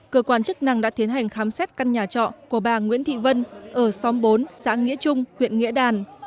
cơ quan chức năng đã tiến hành khám xét căn nhà trọ của bà nguyễn thị vân ở xóm bốn xã nghĩa trung huyện nghĩa đàn